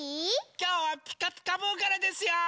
きょうは「ピカピカブ！」からですよ！